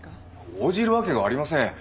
応じるわけがありません。